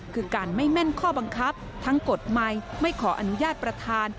คือการไม่แม่นข้อบังคับทั้งกฎใหม่ไม่ขออนุญาตประธาน